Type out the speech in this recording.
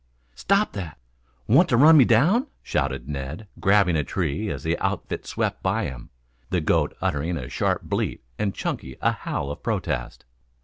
"Stop that! Want to run me down!" shouted Ned, grabbing a tree as the outfit swept by him, the goat uttering a sharp bleat and Chunky a howl of protest.